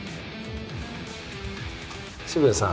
渋谷さん